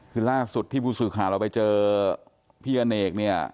คือล่าสุดที่ภูมิสุรคารต์เราไปเจอพี่อเนกเนี่ย